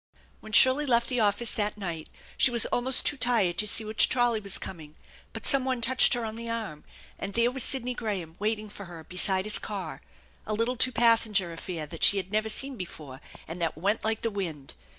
When Shirley left the office that night she was almost too tired to see which trolley was coming, but some one touched her on the arm, and there was Sidney Graham waiting for her beside his car, a litcle two passenger affair that she had never seen before and that went like the wind.